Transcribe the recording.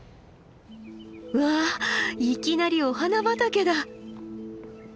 うわいきなりお花畑だ。